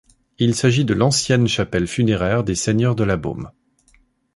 Il s'agit de l'ancienne chapelle funéraire des Seigneurs de la Baume.